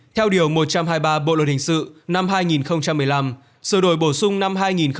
theo điều một trăm hai mươi ba bộ luật hình sự năm hai nghìn một mươi năm sự đổi bổ sung năm hai nghìn một mươi bảy